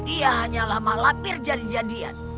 ia hanyalah mak lampir jadi jadian